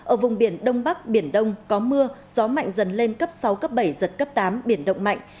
ở vùng biển đông bắc biển đông có mưa gió mạnh dần lên cấp sáu cấp bảy giật cấp tám biển động mạnh